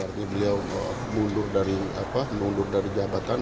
artinya beliau mundur dari jabatan